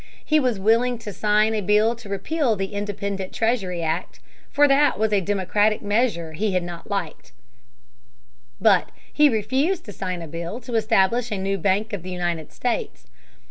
He was willing to sign a bill to repeal the Independent Treasury Act, for that was a Democratic measure he had not liked; but he refused to sign a bill to establish a new Bank of the United States.